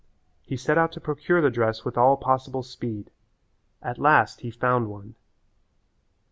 He set out to procure the dress with all possible speed. At last he found one.